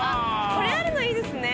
これあるのいいですね。